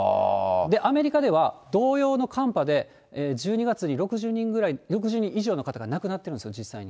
アメリカでは同様の寒波で、１２月に６０人ぐらい、６０人以上の方が亡くなってるんですよ、実際に。